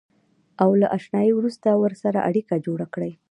او له اشنایۍ وروسته ورسره اړیکه جوړه کړئ.